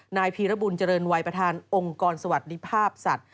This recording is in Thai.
นายพีรบุญเจริญวัยประธานองค์กรสวัสดิภาพสัตว์